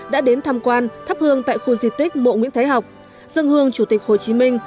đã đến tham quan thắp hương tại khu di tích mộ nguyễn thái học dân hương chủ tịch hồ chí minh